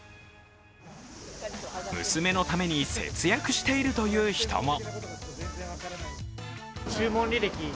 娘のために節約しているという人も。